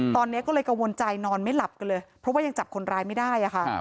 ตอนนี้ก็เลยกังวลใจนอนไม่หลับกันเลยเพราะว่ายังจับคนร้ายไม่ได้ค่ะ